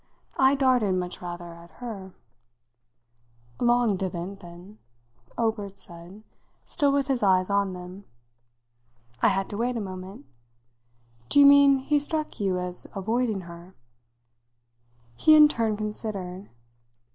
I darted, much rather, at her." "Long didn't, then," Obert said, still with his eyes on them. I had to wait a moment. "Do you mean he struck you as avoiding her?" He in turn considered.